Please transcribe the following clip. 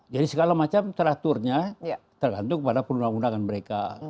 jadi segala macam teraturnya tergantung kepada perundangan perundangan mereka